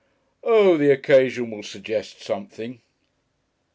"Oh! the occasion will suggest something."